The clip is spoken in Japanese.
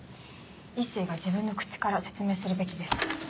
一星が自分の口から説明するべきです。